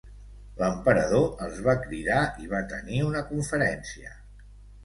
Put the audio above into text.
L'emperador els va cridar i va tenir una conferència.